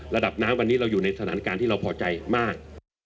ระดับน้ำวันนี้เราอยู่ในสถานการณ์ที่เราพอใจมาก